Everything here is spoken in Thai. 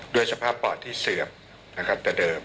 ๒๖๖๓ด้วยสภาพปอดที่เสือบแต่เดิม